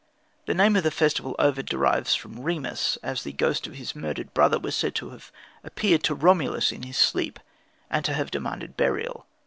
The name of the festival Ovid derives from Remus, as the ghost of his murdered brother was said to have appeared to Romulus in his sleep and to have demanded burial.